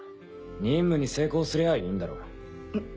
任務に成功すりゃいいんだろ。